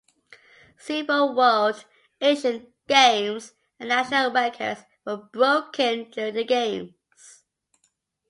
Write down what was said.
Several World, Asian, Games and National Records were broken during the games.